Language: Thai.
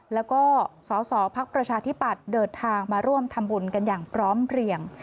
แล้วก็สสพักประชาธิปัตย์เดินทางมาร่วมทำบุญกันอย่างพร้อมเพลียง